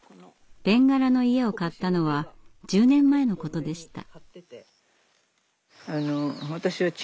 べんがらの家を買ったのは１０年前のことでした。